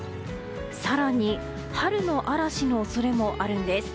更に、春の嵐の恐れもあるんです。